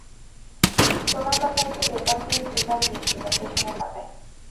তোমার কথা আজকে পেপারে দিয়েছিল, পেছনের পাতায়।